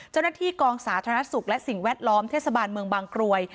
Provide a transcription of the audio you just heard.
เจ้าหน้าที่กองสาธารณสุขและสิ่งแวดล้อมเทศบาลเมืองบางกรวย